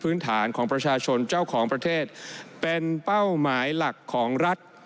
ฐานของประชาชนเจ้าของประเทศเป็นเป้าหมายหลักของรัฐ